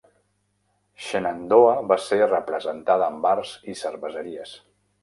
Shenandoah va ser representada amb bars i cerveseries.